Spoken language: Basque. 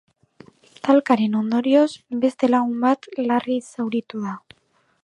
Talkaren ondorioz, beste lagun bat larri zauritu da.